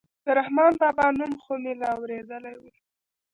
د رحمان بابا نوم خو مې لا اورېدلى و.